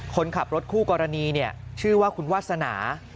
คนขับรถคู่กรณีชื่อว่าคุณวาสนา